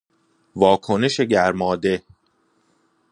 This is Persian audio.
واکنش گرماده